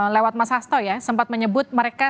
lewat mas hasto ya sempat menyebut mereka